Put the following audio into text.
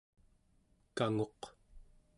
kanguq